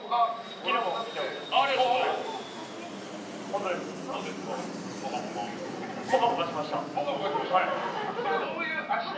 昨日も見てました。